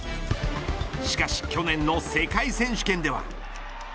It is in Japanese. しかし去年の世界選手権では。